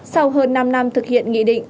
sau hơn năm năm thực hiện nghị định